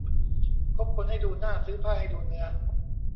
คบคนให้ดูหน้า ซื้อผ้าให้ดูเนื้อ